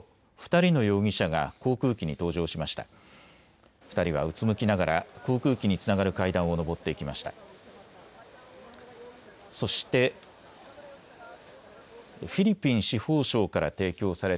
２人はうつむきながら航空機につながる階段を上っていきました。